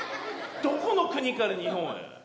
どこの国から日本へ。